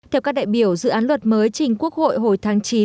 theo các đại biểu dự án luật mới trình quốc hội hồi tháng chín